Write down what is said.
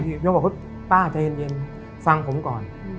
ยกบอกว่าป้าใจเย็นฟังผมก่อน